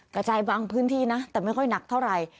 กระจายบางพื้นที่นะแต่ไม่ค่อยหนักเท่าไหร่